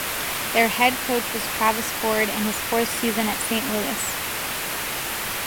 Their head coach was Travis Ford in his fourth season at Saint Louis.